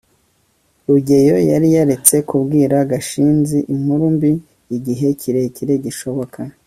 rugeyo yari yaretse kubwira gashinzi inkuru mbi igihe kirekire gishoboka